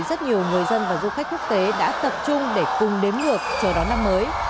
rất nhiều người dân và du khách quốc tế đã tập trung để cùng đếm ngược chờ đón năm mới